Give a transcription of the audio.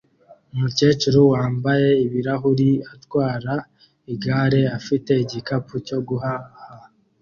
Umukecuru wambaye ibirahuri atwara igare afite igikapu cyo guhaha